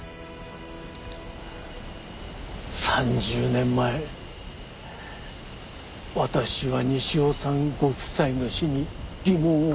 ３０年前私は西尾さんご夫妻の死に疑問を持った。